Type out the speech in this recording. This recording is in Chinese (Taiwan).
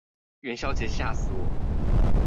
元宵節嚇死我